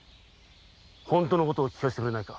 本当のところを聞かせてくれぬか。